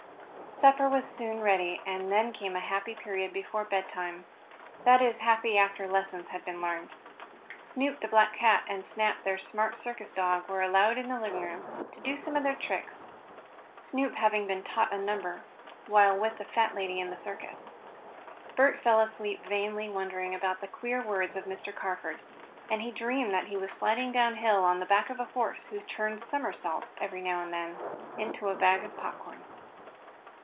Supper was soon ready and then came a happy period before bedtime that is happy after lessons had been learned. Snoop the black cat, and Snap, the smart circus dog, were allowed in the living room, to do some of their tricks, Snoop having been taught a number while with the fat lady in the circus. Bert fell asleep vainly wondering about the queer words of Mr. Carford, and he dreamed that he was sliding down hill on the back of a horse who turned somersaults, every now and then, into a bag of popcorn.